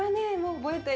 覚えてる？